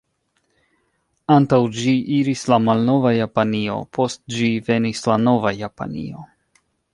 Antaŭ ĝi iris la malnova Japanio; post ĝi venis la nova Japanio.